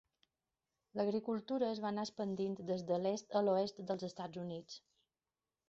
L'agricultura es va anar expandint des de l'est a l'oest dels Estats Units.